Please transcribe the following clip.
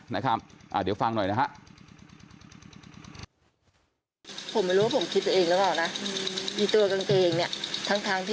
นะครับเดี๋ยวฟังหน่อยนะฮะ